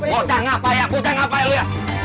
bocah ngapai ya bocah ngapai ya lu ya